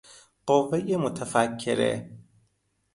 قوهُ متفکره